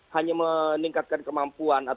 hanya meningkatkan kemampuan